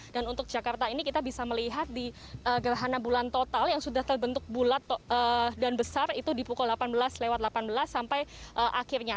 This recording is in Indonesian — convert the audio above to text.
dan untuk jakarta ini kita bisa melihat di gerhana bulan total yang sudah terbentuk bulat dan besar itu di pukul delapan belas lewat delapan belas sampai akhirnya